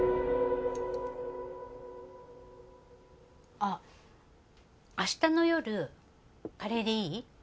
あっ明日の夜カレーでいい？